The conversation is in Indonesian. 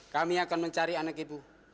kami akan mencari anak ibu